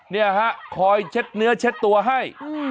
เนี่ยฮะคอยเช็ดเนื้อเช็ดตัวให้